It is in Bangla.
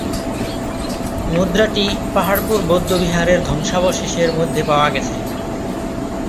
মুদ্রাটি পাহাড়পুর বৌদ্ধ বিহারের ধ্বংসাবশেষের মধ্যে পাওয়া গেছে।